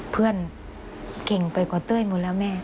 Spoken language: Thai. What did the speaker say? เพื่อนเก่งไปกว่าเต้ยหมดแล้วแม่